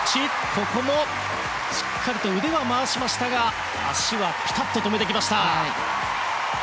ここもしっかりと腕は回しましたが足はピタッと止めてきた。